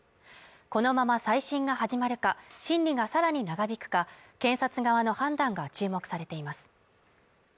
このまま再審が始まるか審理がさらに長引くか警察側の判断が注目されています。